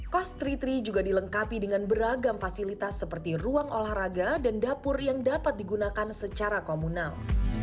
cost tri tiga juga dilengkapi dengan beragam fasilitas seperti ruang olahraga dan dapur yang dapat digunakan secara komunal